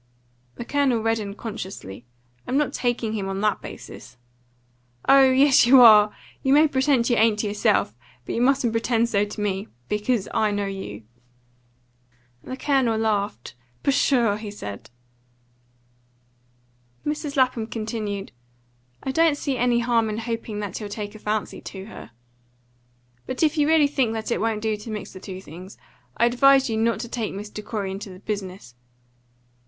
The Colonel reddened consciously. "I'm not taking him on that basis." "Oh yes, you are! You may pretend you ain't to yourself, but you mustn't pretend so to me. Because I know you." The Colonel laughed. "Pshaw!" he said. Mrs. Lapham continued: "I don't see any harm in hoping that he'll take a fancy to her. But if you really think it won't do to mix the two things, I advise you not to take Mr. Corey into the business.